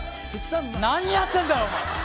何やってんだよ、おまえ。